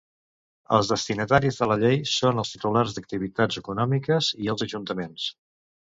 Els destinataris de la llei són els titulars d'activitats econòmiques i els ajuntaments.